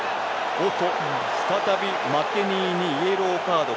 再びマケニーにイエローカード。